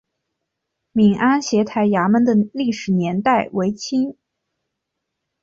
闽安协台衙门的历史年代为清。